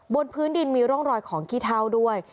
บนพื้นดินมีร่องรอยของขี้เท่าด้วย